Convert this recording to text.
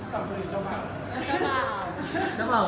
ก็คือเจ้าเม่า